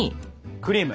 クリーム。